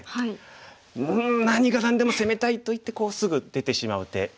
うん何が何でも攻めたいといってすぐ出てしまう手。